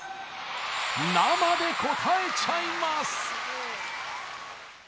生で応えちゃいます！